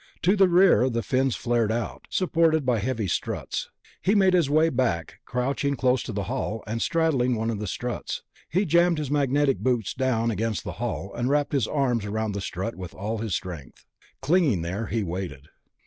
To the rear the fins flared out, supported by heavy struts. He made his way back, crouching close to the hull, and straddled one of the struts. He jammed his magnetic boots down against the hull, and wrapped his arms around the strut with all his strength. Clinging there, he waited.